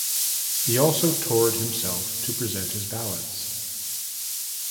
He also toured himself to present his ballads.